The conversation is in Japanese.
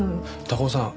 高尾さん